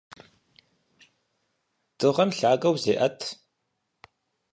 Дыгъэм лъагэу зеӀэт.